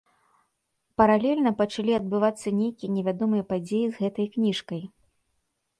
Паралельна пачалі адбывацца нейкія невядомыя падзеі з гэтай кніжкай.